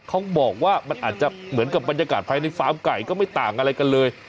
เขาบอกว่ามันอาจจะเหมือนกับบรรยากาศภายในฟาร์มไก่ก็ไม่ต่างอะไรกันเลย